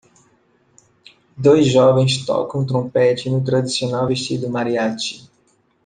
Dois jovens tocam trompete no tradicional vestido mariachi.